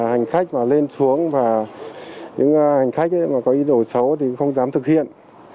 hành khách mà lên xuống và những hành khách mà có ý đồ xấu thì không dám thực hiện